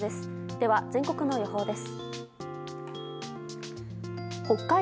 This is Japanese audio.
では、全国の予報です。